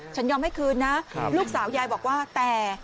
ยอมให้คืนนะลูกสาวยายบอกว่าแต่